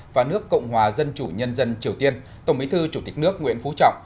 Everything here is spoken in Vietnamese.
và nước cộng hòa dân chủ nhân dân triều tiên tổng bí thư chủ tịch nước nguyễn phú trọng